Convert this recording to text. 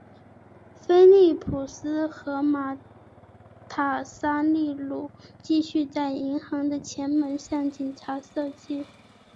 菲利普斯和马塔萨利努继续在银行的前门向警察射击。